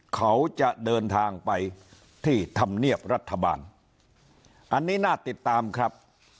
เขาจะเดินทางไปที่ธรรมเนียบรัฐบาลอันนี้น่าติดตามครับ